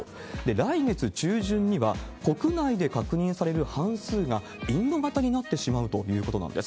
来月中旬には、国内で確認される半数がインド型になってしまうということなんです。